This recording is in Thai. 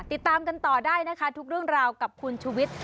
ติดตามกันต่อได้นะคะทุกเรื่องราวกับคุณชุวิต